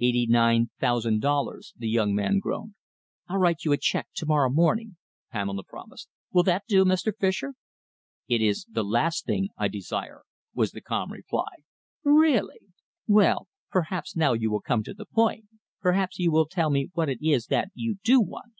"Eighty nine thousand dollars," the young man groaned. "I'll write you a cheque to morrow morning," Pamela promised. "Will that do, Mr. Fischer?" "It is the last thing I desire," was the calm reply. "Really! Well, perhaps now you will come to the point. Perhaps you will tell me what it is that you do want?"